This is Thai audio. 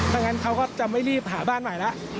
ถ้างั้นเขาก็จะไม่รีบหาบ้านใหม่แล้ว